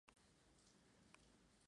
Wu no respondió al gesto.